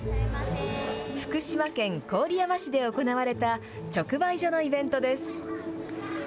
福島県郡山市で行われた直売所のイベントです。